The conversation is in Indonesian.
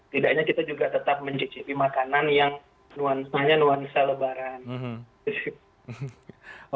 tidaknya kita juga tetap mencicipi makanan yang nuansanya nuansa lebaran